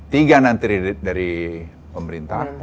tiga nanti dari pemerintah